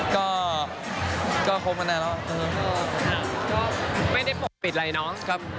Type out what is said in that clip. ครับคบมันหน่อยแล้ว